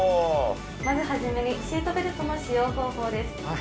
まず初めにシートベルトの使用方法です。